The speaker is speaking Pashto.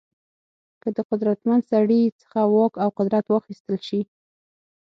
که د قدرتمن سړي څخه واک او قدرت واخیستل شي.